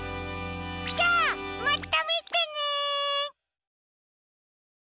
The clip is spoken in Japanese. じゃあまたみてね！